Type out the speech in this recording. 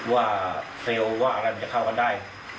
ว่าเซลล์ว่าอะไรมันจะเข้ากันได้